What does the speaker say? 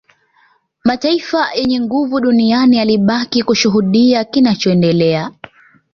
Mataifa yenye nguvu duniani yalibaki kushuhudia kinachoendelea